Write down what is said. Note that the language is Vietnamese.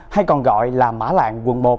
hay còn gọi là mã lạng quận một